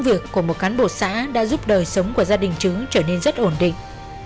việc của một cán bộ xã đã giúp đời sống của gia đình chúng trở nên rất ổn định